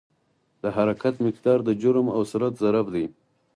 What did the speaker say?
د حرکت مقدار د جرم او سرعت ضرب دی.